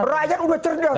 rakyat udah cerdas